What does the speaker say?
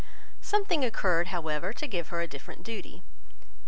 Something occurred, however, to give her a different duty.